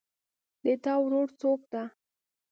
د تا ورور څوک ده